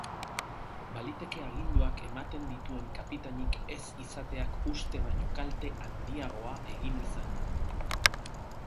Baliteke aginduak ematen dituen kapitainik ez izateak uste baino kalte handiagoa egin izana.